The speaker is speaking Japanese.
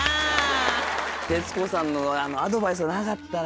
徹子さんのアドバイスがなかったら。